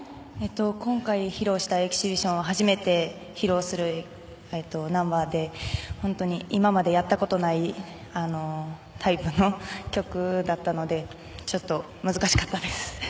今回披露したエキシビションは初めて披露するナンバーで本当に今まで、やったことないタイプの曲だったのでちょっと難しかったです。